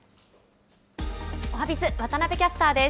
おはＢｉｚ、渡部キャスターです。